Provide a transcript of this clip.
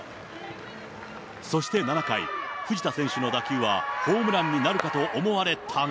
そして７回、藤田選手の打球は、ホームランになるかと思われたが。